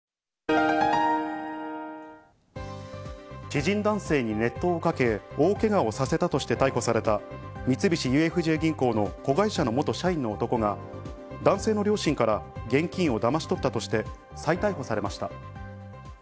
知人男性に熱湯をかけ、大けがをさせたとして逮捕された三菱ＵＦＪ銀行の子会社の元社員の男が男性の両親から現金をだまし取ったとして再逮捕されました。